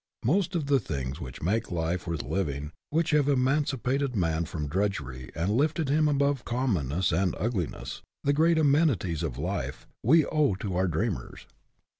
Most of the things which make life worth living, which have emancipated man from drudgery and lifted him above commonness and ugliness the great amenities of life we owe to our dreamers.